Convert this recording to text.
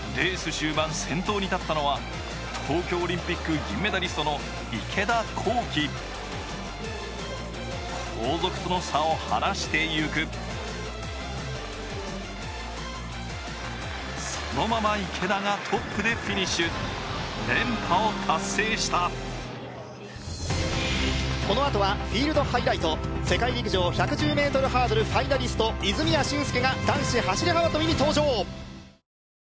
終盤先頭に立ったのは東京オリンピック銀メダリストの池田向希後続との差を離していくそのまま池田がトップでフィニッシュ連覇を達成したこのあとはフィールドハイライト世界陸上１１０ｍハードルファイナリスト泉谷駿介が男子走幅跳に登場